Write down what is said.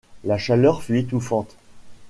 La chaleur fut étouffante.